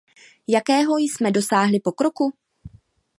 Jakého jsme dosáhli pokroku?